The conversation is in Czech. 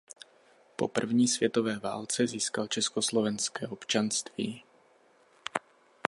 Po první světové válce získal československé občanství.